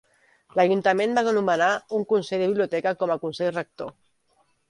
L'Ajuntament va nomenar un Consell de Biblioteca com a consell rector.